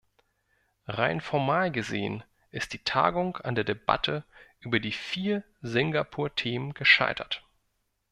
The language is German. Rein formal gesehen ist die Tagung an der Debatte über die vier Singapur-Themen gescheitert.